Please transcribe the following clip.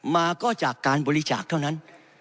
มาก็จากการบริจาคเท่านั้น